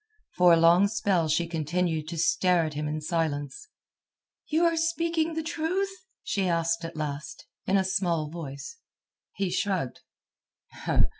For a long spell she continued to stare at him in silence. "You are speaking the truth?" she asked at last, in a small voice. He shrugged.